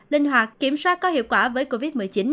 linh hoạt kiểm soát có hiệu quả với covid một mươi chín